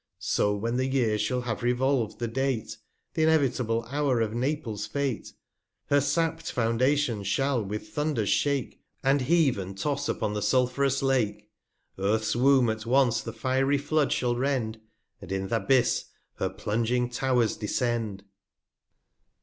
386 So when the Years shall have revolv'd the Date, Th' inevitable Hour of Naples' Fate, Her sap'd Foundations shall with Thunders shake, And heave and toss upon the sulph'rous Lake ; 390 Earth's Womb at once the fiery Flood shall rend, And in th' Abyss her plunging Tow'rs descend.